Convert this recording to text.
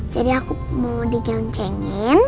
jadi aku mau digoncengin